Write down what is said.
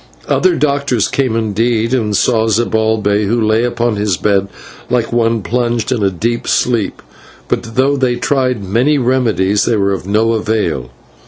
Other doctors came, indeed, and saw Zibalbay, who lay upon his bed like one plunged in a deep sleep, but though they tried many remedies they were of no avail.